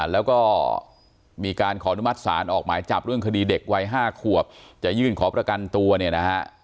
แล้วก็มีการขออนุมัติศาลออกหมายจับเรื่องคดีเด็กวัย๕ขวบจะยื่นขอประกันตัวเนี่ยนะฮะ